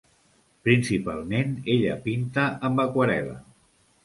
Principalment ella pinta amb aquarel·la.